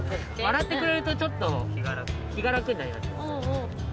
笑ってくれるとちょっと気が楽になります。